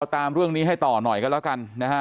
ตามเรื่องนี้ให้ต่อหน่อยกันแล้วกันนะฮะ